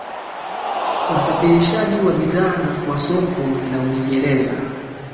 wasafirishaji wa bidhaa na kwa soko la uingereza